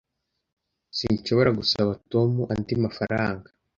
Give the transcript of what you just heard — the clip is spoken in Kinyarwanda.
Sinshobora gusaba Tom andi mafaranga.